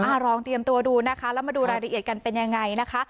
ลองเตรียมตัวดูนะคะแล้วมาดูรายละเอียดกันเป็นยังไงนะคะ